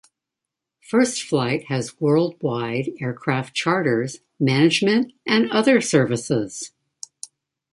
First Flight has worldwide aircraft charters, management, and other services.